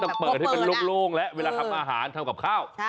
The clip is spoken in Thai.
เปิดให้มันโล่งแล้วเวลาทำอาหารทำกับข้าว